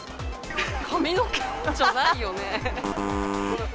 髪の毛？じゃないよね。